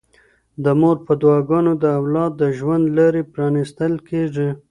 د مور په دعاګانو د اولاد د ژوند لارې پرانیستل کيږي.